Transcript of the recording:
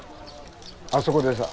あそこでさ。